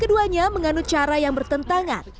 keduanya menganut cara yang bertentangan